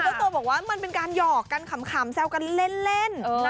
เจ้าตัวบอกว่ามันเป็นการหยอกกันขำแซวกันเล่น